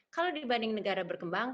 kalau dibanding negara berkembang